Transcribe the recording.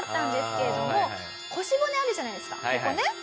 腰骨あるじゃないですかここね。